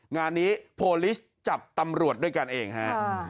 งานนี้โพลิสจับตำรวจด้วยกันเองฮะ